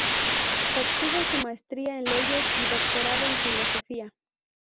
Obtuvo su maestría en leyes y doctorado en filosofía.